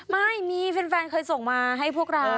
ไม่มีแฟนเคยส่งมาให้พวกเรา